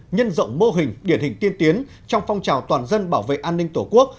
nhân rộng mô hình điển hình tiên tiến trong phong trào toàn dân bảo vệ an ninh tổ quốc